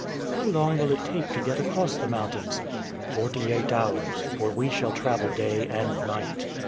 "How long will it take to get across the mountains?" "Forty eight hours, for we shall travel day and night.